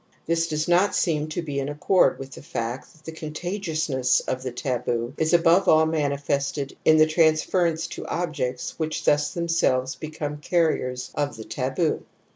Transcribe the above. This does not seem to be in accord with ' the fact that the contagiousness of the taboo is above all manifested in the transference to objects which thus themselves become carriers of the taboo.